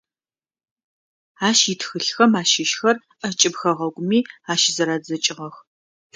Ащ итхылъхэм ащыщхэр ӏэкӏыб хэгъэгухэми ащызэрадзэкӏыгъэх.